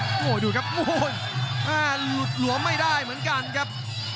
อู้โหดูครับหน้ารวยลวมไม่ได้เหมือนกันครับ